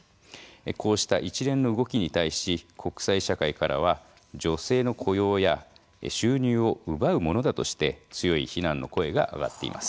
こうした一連の動きに対し国際社会からは女性の雇用や収入を奪うものだとして強い非難の声が上がっています。